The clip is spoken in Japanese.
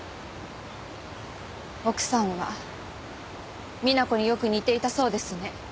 奥さんはみな子によく似ていたそうですね。